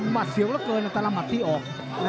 เสียวเหลือเกินแต่ละหมัดที่ออก